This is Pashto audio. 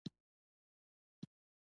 د هوښیارانو دوست هوښیار وي .